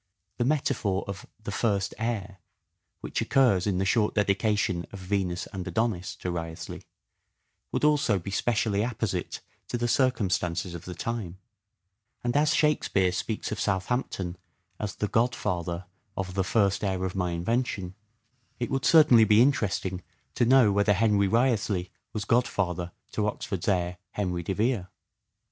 The metaphor of " The first heir," which occurs in the short dedication of " Venus and Adonis " to Wriothesley, would also FINAL OR SHAKESPEAREAN PERIOD 391 be specially apposite to the circumstances of the time ; and as " Shakespeare " speaks of Southampton as the " godfather " of " the first heir of my invention," it would certainly be interesting to know whether Henry Wriothesley was godfather to Oxford's heir, Henry de Vere.